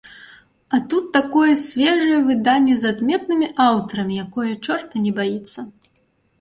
А тут такое свежае выданне з адметнымі аўтарамі, якое і чорта не баіцца.